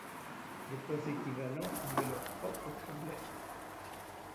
Les poids équivalents avaient leurs propres problèmes.